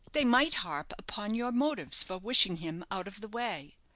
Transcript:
They might harp upon your motives for wishing him out of the way.